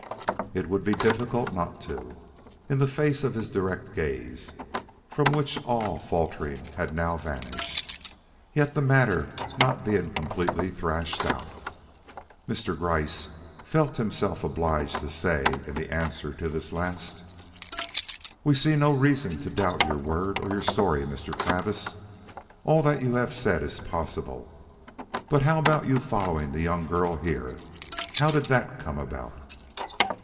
It would be difficult not to, in face of his direct gaze, from which all faltering had now vanished. Yet the matter not being completely thrashed out, Mr. Gryce felt himself obliged to say in answer to this last: "We see no reason to doubt your word or your story, Mr. Travis. All that you have said is possible. But how about your following the young girl here? How did that come about?"